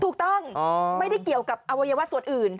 ถูกต้องไม่ได้เกี่ยวกับอวัยวะส่วนอื่น